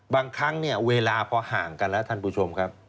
บางครั้งเนี่ยเวลาพอห่างกันแล้วท่านผู้ชมครับ